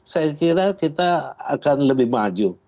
saya kira kita akan lebih maju